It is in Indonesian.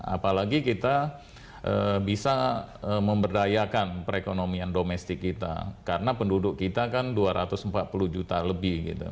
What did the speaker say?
apalagi kita bisa memberdayakan perekonomian domestik kita karena penduduk kita kan dua ratus empat puluh juta lebih gitu